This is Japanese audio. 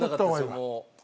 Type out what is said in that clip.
もう。